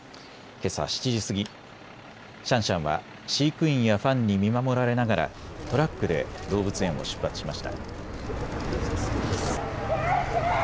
けさ７時過ぎ、シャンシャンは飼育員やファンに見守られながらトラックで動物園を出発しました。